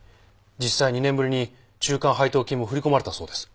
実際２年ぶりに中間配当金も振り込まれたそうです。